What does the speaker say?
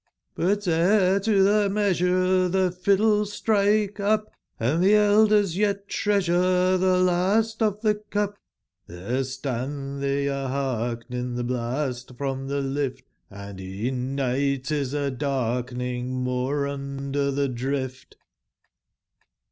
But ere to tbe measure tbc fiddles strike up, Hnd tbe elders yet treasure tbc last of tbc cup, Tlbere stand tbey a/bcarhening tbc blast from tbe lift, Hnd e'en nigbt is a/darkening more under tbe drift.